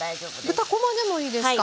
豚こまでもいいですか。